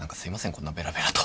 こんなベラベラと。